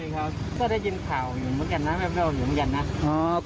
ใช่ครับก็ได้ยินข่าวอยู่เหมือนกันนะแม่งไม่รู้อยู่เหมือนกันนะ